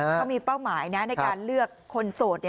เขามีเป้าหมายนะในการเลือกคนโสด